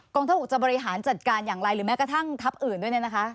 กรงทะวุจะบริหารจัดการอย่างไรหรือแม้กระทั่งทัพอื่นด้วยนะคะ